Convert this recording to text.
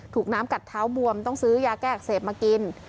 ถูกน้ำกัดเท้าบวมต้องซื้อยาแก้อักเสบมากิน